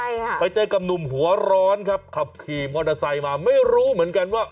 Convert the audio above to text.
ใช่ค่ะไปเจอกับหนุ่มหัวร้อนครับขับขี่มอเตอร์ไซค์มาไม่รู้เหมือนกันว่า